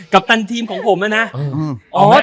กัปตันทีมของผมนะนะ